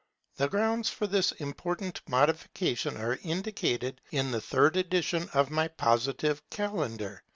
The grounds for this important modification are indicated in the third edition of my Positive Calendar.